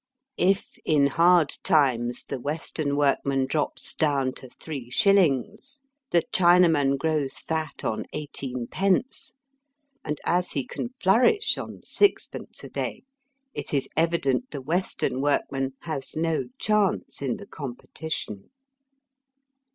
If in hard times Digitized by VjOOQ IC THE LABOUB QUESTION. 135 the Western workman drops down to three shillings, the Chinaman grows fat on eighteen penoe, and as he can flourish on sixpence a day it is evident the Western workman has no chance in the competition.